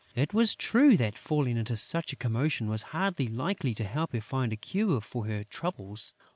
It was true that falling into such a commotion was hardly likely to help her find a cure for her troubles.